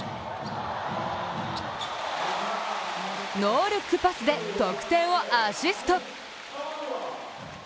ノールックパスで得点をアシスト。